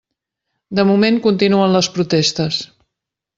De moment, continuen les protestes.